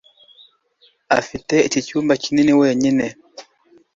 afite iki cyumba kinini wenyine